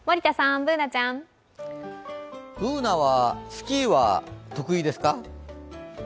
Ｂｏｏｎａはスキーは得意ですか？